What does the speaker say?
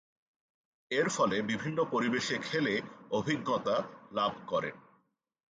এরফলে বিভিন্ন পরিবেশে খেলে অভিজ্ঞতা লাভ করেন।